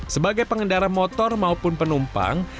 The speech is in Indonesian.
sebagai pengendara motor maupun penumpang